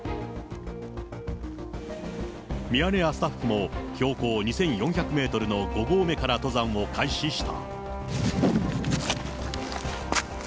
ミヤネ屋スタッフも標高２４００メートルの５合目から登山を開始した。